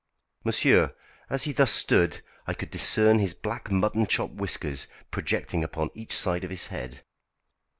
Monsieur, as he thus stood I could discern his black mutton chop whiskers projecting upon each side of his head.